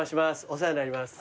お世話になります。